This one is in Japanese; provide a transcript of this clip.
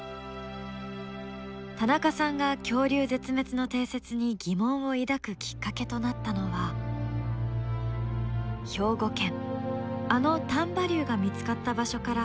田中さんが恐竜絶滅の定説に疑問を抱くきっかけとなったのは兵庫県あの丹波竜が見つかった場所から掘り出された化石でした。